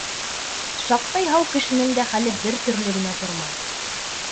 Шаҡтай һау кешенең дә хәле бер төрлө генә тормай.